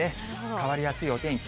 変わりやすいお天気。